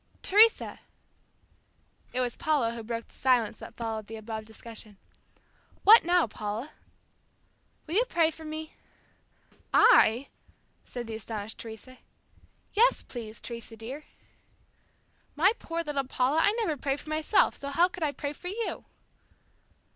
"Teresa!" It was Paula who broke the silence that followed the above discussion. "What now, Paula?" "Will you pray for me?" "I," said the astonished Teresa. "Yes, please, Teresa dear." "My poor little Paula, I never pray for myself, so how could I pray for you?"